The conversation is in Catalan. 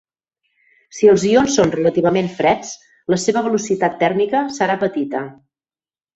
Si els ions són relativament freds, la seva velocitat tèrmica serà petita.